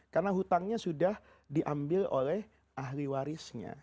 karena hutangnya sudah diambil oleh ahli warisnya